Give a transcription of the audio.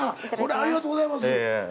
ありがとうございます。